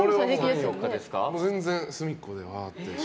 全然、隅っこでああーって。